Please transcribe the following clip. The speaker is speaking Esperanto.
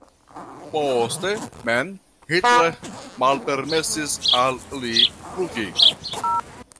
Poste mem Hitler malpermesis al li flugi.